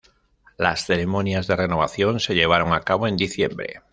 Las ceremonias de Renovación se llevaron a cabo en diciembre.